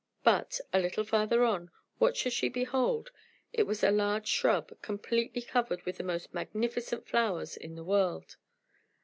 But, a little farther on, what should she behold? It was a large shrub, completely covered with the most magnificent flowers in the world.